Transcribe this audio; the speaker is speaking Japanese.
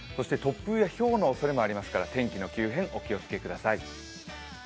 そして突風やひょうのおそれもありますから、天気の急変お気をつけください。